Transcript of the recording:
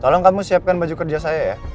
tolong kamu siapkan baju kerja saya ya